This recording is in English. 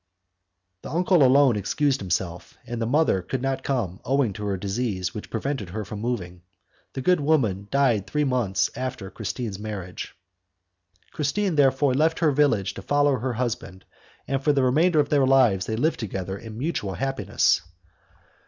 The uncle alone excused himself, and the mother could not come, owing to her disease which prevented her from moving. The good woman died three months after Christine's marriage. Christine therefore left her village to follow her husband, and for the remainder of their lives they lived together in mutual happiness.